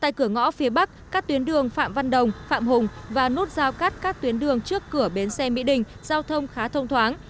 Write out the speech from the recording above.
tại cửa ngõ phía bắc các tuyến đường phạm văn đồng phạm hùng và nút giao cắt các tuyến đường trước cửa bến xe mỹ đình giao thông khá thông thoáng